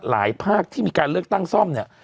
ภาคที่มีการเลือกตั้งซ่อมเนี่ย